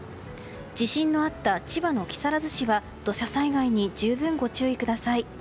地震のあった千葉の木更津市は土砂災害に十分ご注意ください。